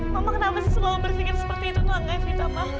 mama kenapa sih selalu berpikir seperti itu nong